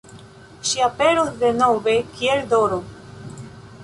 Ŝi aperos denove kiel D-ro.